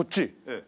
ええ。